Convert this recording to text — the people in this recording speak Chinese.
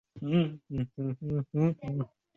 这幅画现存于西班牙的圣多默堂。